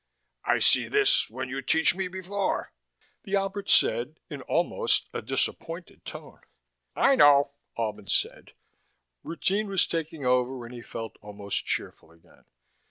"I see this when you teach me before," the Albert said in almost a disappointed tone. "I know," Albin told it. Routine was taking over and he felt almost cheerful again.